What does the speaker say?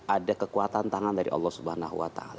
ada kekuatan tangan dari allah swt